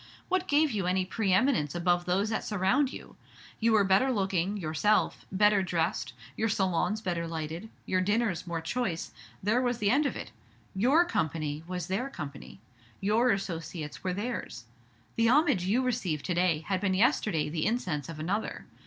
What gave you any pre eminence above those that surround you? You were better looking, yourself; better dressed; your salons better lighted; your dinners more choice, there was the end of it. Your company was their company, your associates were theirs. The homage you received to day had been yesterday the incense of another.